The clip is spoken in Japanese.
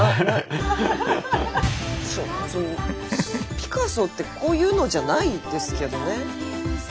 ピカソってこういうのじゃないですけどね。